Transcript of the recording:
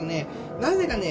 なぜかね